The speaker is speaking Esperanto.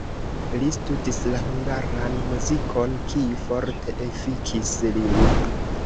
Li studis la hungaran muzikon, kiu forte efikis lin.